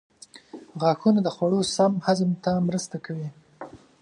غاښونه د خوړو سم هضم ته مرسته کوي.